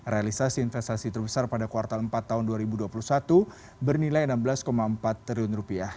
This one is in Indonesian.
realisasi investasi terbesar pada kuartal empat tahun dua ribu dua puluh satu bernilai rp enam belas empat triliun